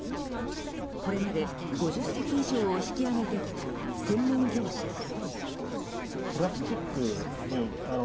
これまで５０隻以上を引き揚げてきた専門業者は。